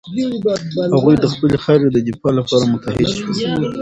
هغوی د خپلې خاورې د دفاع لپاره متحد شول.